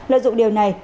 lợi dụng điều này